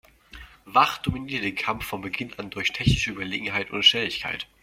Wach dominierte den Kampf von Beginn an durch technische Überlegenheit und Schnelligkeit.